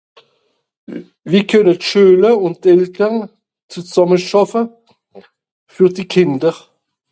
wu kenne d'eltere un d'kender zamme schàffe fer d'kender